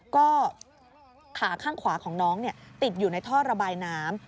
ก็ขาข้างขวาของน้องติดอยู่ในท่อระบายน้ำ